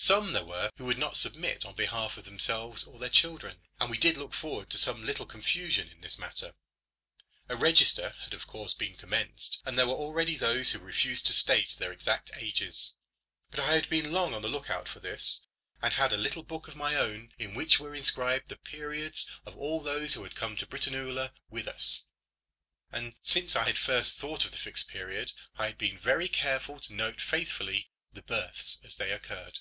Some there were who would not submit on behalf of themselves or their children; and we did look forward to some little confusion in this matter. A register had of course been commenced, and there were already those who refused to state their exact ages; but I had been long on the lookout for this, and had a little book of my own in which were inscribed the "periods" of all those who had come to Britannula with us; and since I had first thought of the Fixed Period I had been very careful to note faithfully the births as they occurred.